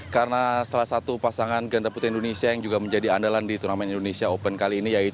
karena salah satu pasangan ganda putri indonesia yang juga menjadi andalan di turnamen indonesia open kali ini